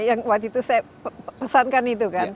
yang waktu itu saya pesankan itu kan